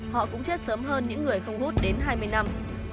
họ cũng chết sớm hơn những người không hút đến hai mươi năm